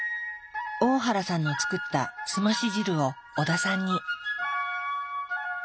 大原さんの作ったすまし汁を織田さんに。